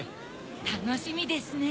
たのしみですね！